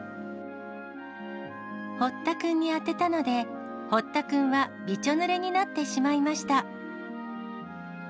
ほっ田君にあてたので、ほった君は、びちょぬれになってしまいました。